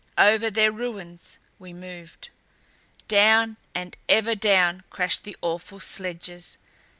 Over their ruins we moved. Down and ever down crashed the awful sledges.